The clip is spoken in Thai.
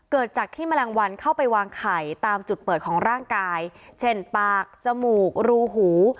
เกิดจากที่แมลงวันเข้าไปวางไข่ตามจุดเปิดของร่างกายเช่นปากจมูกรูหู